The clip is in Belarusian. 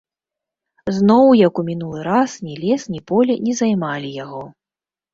Зноў, як ў мінулы раз, ні лес, ні поле не займалі яго.